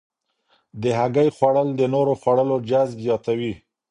د هګۍ خوړل د نورو خوړو جذب زیاتوي.